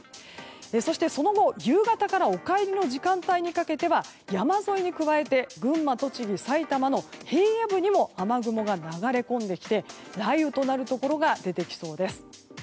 そしてその後、夕方からお帰りの時間にかけては山沿いに加えて群馬、栃木、埼玉の平野部にも雨雲が流れ込んできて雷雨となるところが出てきそうです。